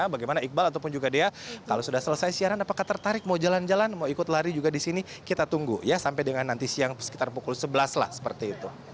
bagaimana iqbal ataupun juga dea kalau sudah selesai siaran apakah tertarik mau jalan jalan mau ikut lari juga di sini kita tunggu ya sampai dengan nanti siang sekitar pukul sebelas lah seperti itu